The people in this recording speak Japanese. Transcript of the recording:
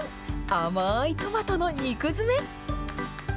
甘いトマトの肉詰め。